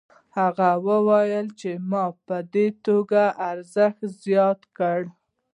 هغه وايي چې ما په دې توکو ارزښت زیات کړ